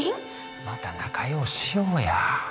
また仲良うしようや。